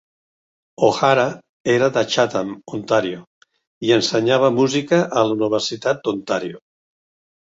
O'Hara era de Chatham, Ontario, i ensenyava música a la Universitat d'Ontario.